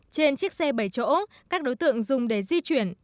trên chiếc xe bảy chỗ các đối tượng dùng để di chuyển